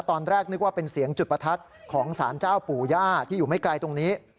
ตอนแรกนึกว่าเป็นเสียงจุดประทัดของสารเจ้าปู่ย่าที่อยู่ไม่ไกลตรงนี้